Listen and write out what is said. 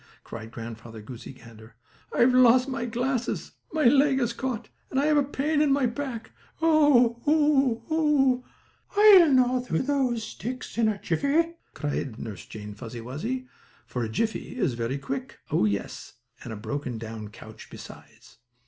cried Grandfather Goosey Gander. "I've lost my glasses, my leg is caught, and I have a pain in my back. Oh, oh, oh!" "I'll gnaw through those sticks in a jiffy!" cried Jane Fuzzy Wuzzy, for a jiffy is very quick time indeed. Oh, yes, and a broken down couch besides!